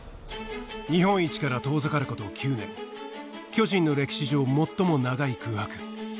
日本一から遠ざかること９年巨人の歴史上最も長い空白